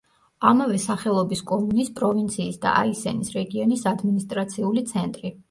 ამავე სახელობის კომუნის, პროვინციის და აისენის რეგიონის ადმინისტრაციული ცენტრი.